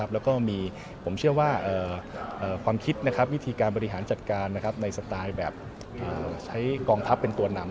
และก็มีความคิดวิธีการบริหารจัดการในสไตล์เลือกกองทัพเป็นตัวหนัง